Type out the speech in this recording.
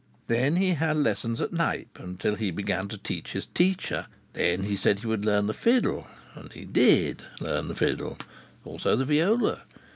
Then he had lessons at Knype, until he began to teach his teacher. Then he said he would learn the fiddle, and he did learn the fiddle; also the viola.